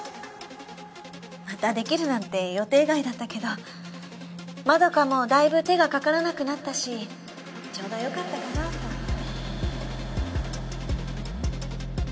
またできるなんて予定外だったけどまどかもだいぶ手がかからなくなったしちょうどよかったかなと思って。